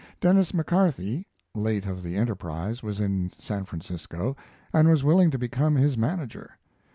Denis McCarthy, late of the Enterprise, was in San Francisco, and was willing to become his manager.